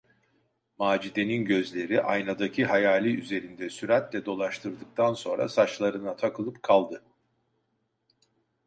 Macide’nin gözleri aynadaki hayali üzerinde süratle dolaştırdıktan sonra saçlarına takılıp kaldı.